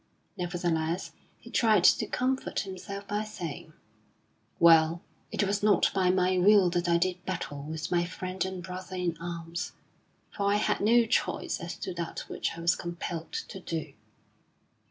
Nevertheless, he tried to comfort himself by saying: "Well, it was not by my will that I did battle with my friend and brother in arms, for I had no choice as to that which I was compelled to do."